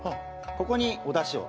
ここにお出汁を。